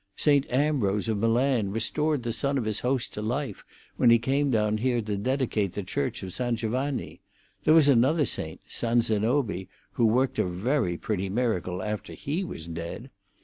Saint Ambrose of Milan restored the son of his host to life when he came down here to dedicate the Church of San Giovanni. Then there was another saint, San Zenobi, who worked a very pretty miracle after he was dead.